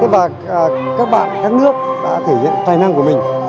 và các bạn các nước đã thể hiện tài năng của mình